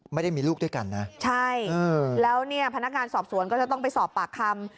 ไม่ได้มีลูกด้วยกันนะหรือเปล่าพนักการสอบสวนจะต้องไปสอบปากคำ